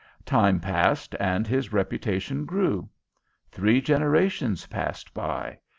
Time passed and his reputation grew. Three generations passed by.